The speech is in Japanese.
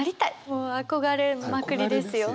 もう憧れまくりですよ。